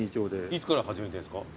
いつから始めてるんですか？